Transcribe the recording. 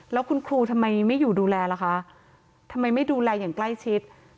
แล้วคุณครูทำไมไม่อยู่ดูแลล่ะคะทำไมไม่ดูแลอย่างใกล้ชิด